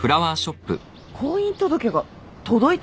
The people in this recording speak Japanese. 婚姻届が届いた？